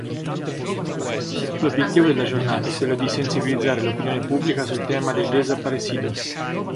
L'obiettivo della giornata è quello di sensibilizzare l'opinione pubblica sul tema dei "desaparecidos".